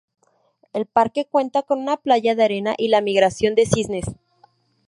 El parque cuenta con una playa de arena y la migración de cisnes.